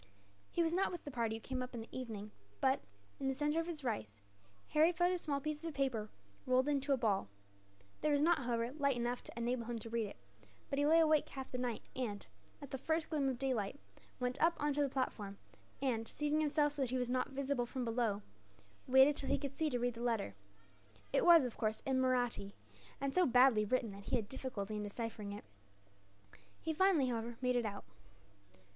He was not with the party who came up in the evening but, in the centre of his rice, Harry found a small piece of paper rolled into a ball. There was not, however, light enough to enable him to read it; but he lay awake half the night and, at the first gleam of daylight, went up on to the platform and, seating himself so that he was not visible from below, waited till he could see to read the letter. It was, of course, in Mahratti; and so badly written that he had difficulty in deciphering it. He finally, however, made it out.